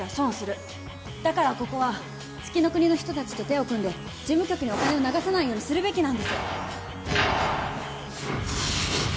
だからここは月ノ国の人たちと手を組んで事務局にお金を流さないようにするべきなんです。